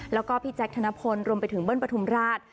แล้วก็พี่แจ็คธนพลลงไปกับเบิร์นประธุมราช